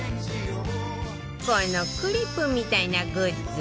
このクリップみたいなグッズ